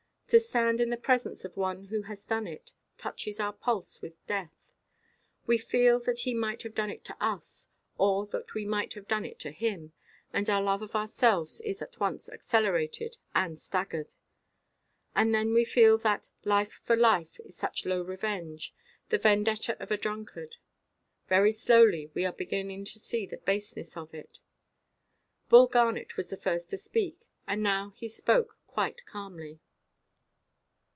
To stand in the presence of one who has done it, touches our pulse with death. We feel that he might have done it to us, or that we might have done it to him; and our love of ourselves is at once accelerated and staggered. And then we feel that "life for life" is such low revenge; the vendetta of a drunkard. Very slowly we are beginning to see the baseness of it. Bull Garnet was the first to speak, and now he spoke quite calmly.